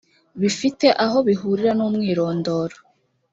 bifite aho bihurira n umwirondoro